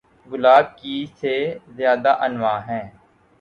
گلاب کی سے زیادہ انواع ہیں